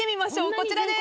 こちらです。